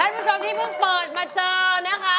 คุณผู้ชมที่เพิ่งเปิดมาเจอนะคะ